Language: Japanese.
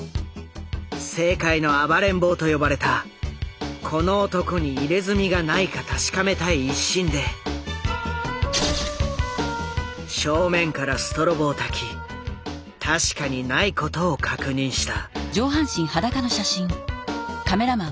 政界の暴れん坊と呼ばれたこの男に入れ墨がないか確かめたい一心で正面からストロボをたき確かに無いことを確認した。